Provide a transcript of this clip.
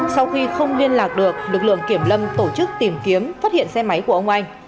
sau khi không liên lạc được lực lượng kiểm lâm tổ chức tìm kiếm phát hiện xe máy của ông anh